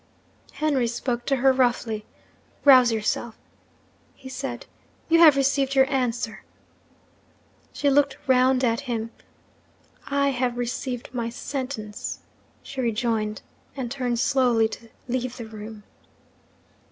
Henry spoke to her roughly. 'Rouse yourself,' he said. 'You have received your answer.' She looked round at him. 'I have received my Sentence,' she rejoined and turned slowly to leave the room.